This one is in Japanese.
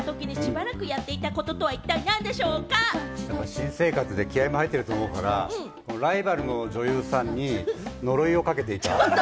新生活で気合いも入っていると思うから、ライバルの女優さんに呪いをかけていた。